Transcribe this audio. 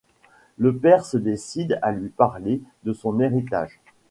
Le père se décide à lui parler de son héritage.